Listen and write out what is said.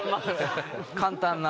簡単な。